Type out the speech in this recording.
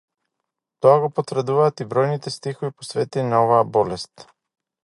Тоа го потврдуваат и бројните стихови посветени на оваа болест.